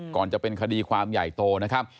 ก่อนจะเป็นคดีความใหญ่โตนะครับ